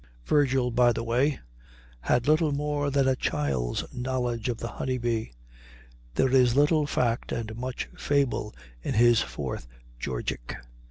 Virgil, by the way, had little more than a child's knowledge of the honey bee. There is little fact and much fable in his fourth Georgic.